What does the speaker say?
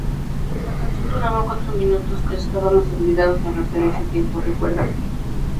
Si la canción duraba cuatro minutos, estábamos obligados a rapear ese tiempo", recuerda.